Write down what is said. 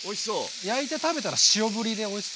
焼いて食べたら塩ぶりでおいしそう。